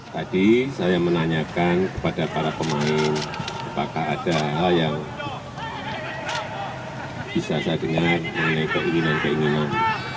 tadi saya menanyakan kepada para pemain apakah ada hal yang bisa saya dengar mengenai keinginan keinginan